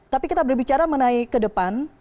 tapi kita berbicara menaik ke depan